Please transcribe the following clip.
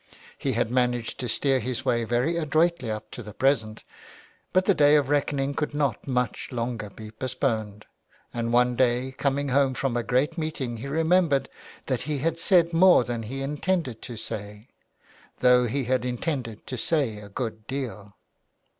He had managed to steer his way very adroitly up to the present, but the day of reckoning could not much longer be postponed, and one day coming home from a great meeting he remembered that he had said more than he intended to say, though he had intended to say a good deal.